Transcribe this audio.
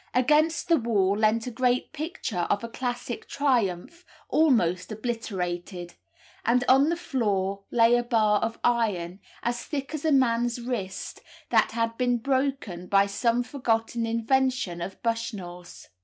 Against the wall leant a great picture of a classic triumph, almost obliterated; and on the floor lay a bar of iron, as thick as a man's wrist, that had been broken by some forgotten invention of Bushnell's.